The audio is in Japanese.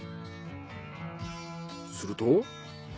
すると。